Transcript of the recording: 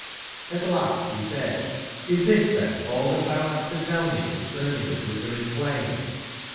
Ht last be said: *'Xs tbis tben all tbat tbou bast to tell me concerning tbe Glittering plain